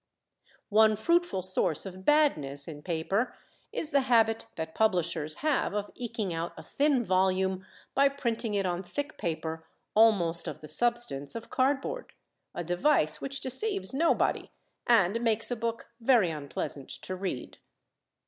One fruitful source of badness in paper is the habit that publishers have of eking out a thin volume by printing it on thick paper almost of the substance of cardboard, a device which deceives nobody, and makes a book very unpleasant to read.